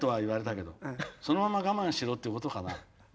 そのまんま我慢しろってことかな。